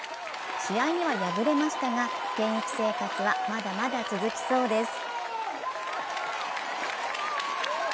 試合には敗れましたが現役生活はまだまだ続きそうです。